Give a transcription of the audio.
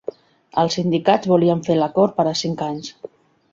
Els sindicats volien fer l'acord per a cinc anys